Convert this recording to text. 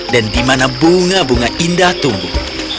dan di mana bunga bunga indah tumbuh